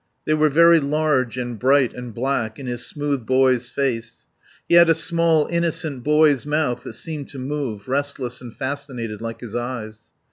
They were very large and bright and black in his smooth boy's face; he had a small innocent boy's mouth that seemed to move, restless and fascinated, like his eyes.